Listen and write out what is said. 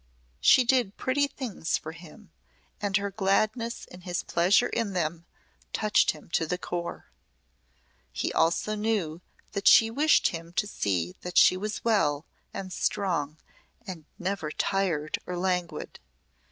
She did pretty things for him and her gladness in his pleasure in them touched him to the core. He also knew that she wished him to see that she was well and strong and never tired or languid.